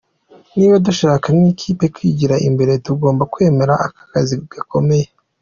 "Niba dushaka nk'ikipe kwigira imbere, tugomba kwemera aka kazi gakomeye.